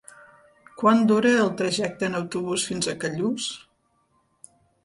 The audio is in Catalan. Quant dura el trajecte en autobús fins a Callús?